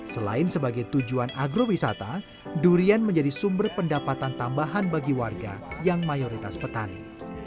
selain sebagai tujuan agrowisata durian menjadi sumber pendapatan tambahan bagi warga yang mayoritas petani